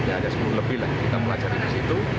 ada sepuluh lebih lagi kita melajari di situ